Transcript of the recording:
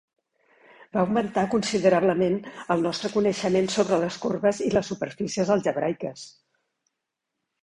Va augmentar considerablement el nostre coneixement sobre les corbes i les superfícies algebraiques.